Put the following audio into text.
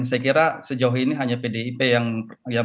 saya kira sejauh ini hanya pdip yang